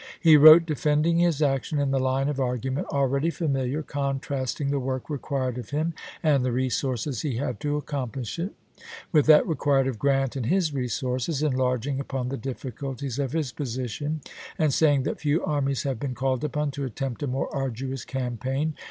He wrote, defending his action, in the line of argument already familiar, contrast ing the work required of him, and the resources he had to accomplish it, with that required of Grant and his resources, enlarging upon the difficulties of his position, and saying that few armies have been called upon to attempt a more arduous campaign.